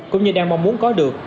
cũng như đang mong muốn có được